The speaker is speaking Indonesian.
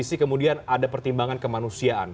di sisi kemudian ada pertimbangan kemanusiaan